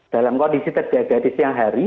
dalam kondisi terjaga di siang hari